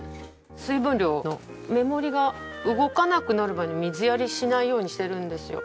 水分量の目盛りが動かなくなるまで水やりしないようにしてるんですよ。